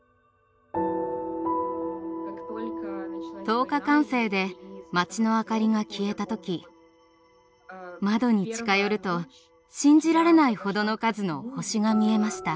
灯火管制で町の明かりが消えた時窓に近寄ると信じられないほどの数の星が見えました。